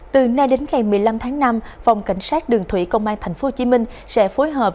từ nay đến ngày một mươi năm tháng năm phòng cảnh sát đường thủy công an tp hcm sẽ phối hợp